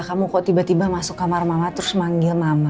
kamu kok tiba tiba masuk kamar mama terus manggil mama